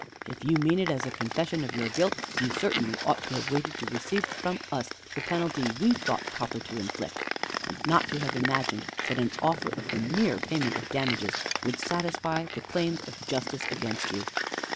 If you mean it as a confession of your guilt, you certainly ought to have waited to receive from us the penalty we thought proper to inflict, and not to have imagined that an offer of the mere payment of damages would satisfy the claims of justice against you.